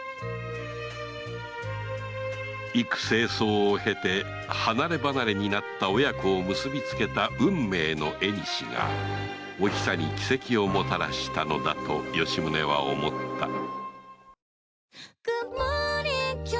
幾星霜を経て離れ離れになった親子を結びつけた運命の縁がおひさに奇跡をもたらしたのだと吉宗は思った